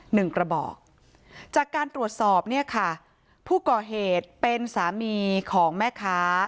หนึ่งกระบอกจากการตรวจสอบเนี่ยค่ะผู้ก่อเหตุเป็นสามีของแม่ค้า